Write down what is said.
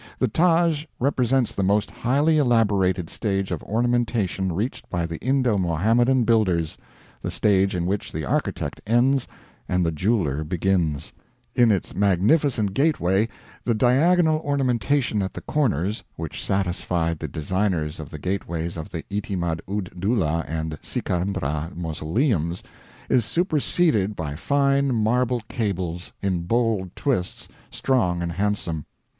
The Taj represents the most highly elaborated stage of ornamentation reached by the Indo Mohammedan builders, the stage in which the architect ends and the jeweler begins. In its magnificent gateway the diagonal ornamentation at the corners, which satisfied the designers of the gateways of Itimad ud doulah and Sikandra mausoleums is superseded by fine marble cables, in bold twists, strong and handsome.